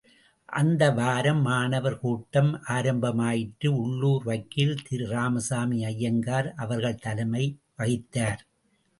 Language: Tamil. அந்த வாரம் மாணவர் கூட்டம் ஆரம்பமாயிற்று உள்ளுர் வக்கீல் திரு ராமசாமி அய்யங்கார், அவர்கள் தலைமை வகித்தார்.